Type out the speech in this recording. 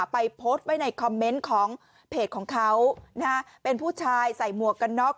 ไปโพสต์ไว้ในคอมเมนต์ของเพจของเขานะฮะเป็นผู้ชายใส่หมวกกันน็อก